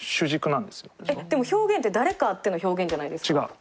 でも表現って誰かあっての表現じゃないですか。